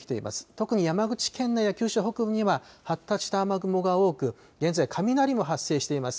特に山口県内や九州北部には発達した雨雲が多く現在、雷も発生しています。